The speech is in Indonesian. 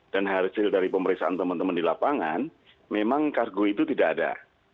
dan hasil dari pemeriksaan teman teman di lapangan memang cargo itu tidak ada